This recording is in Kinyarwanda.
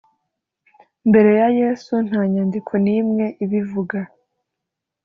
mbere ya yesu nta nyandiko n’imwe ibivuga